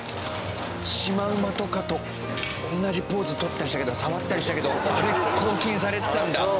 シマウマとかと同じポーズ取ったりしたけど触ったりしたけどあれ抗菌されてたんだ。